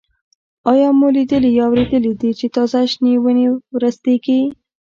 آیا مو لیدلي یا اورېدلي دي چې تازه شنې ونې ورستېږي؟